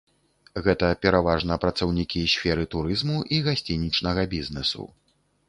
Гэта пераважна працаўнікі сферы турызму і гасцінічнага бізнэсу.